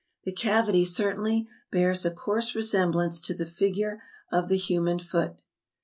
The cavity certainly bears a coarse resemblance to the figure of the human foot.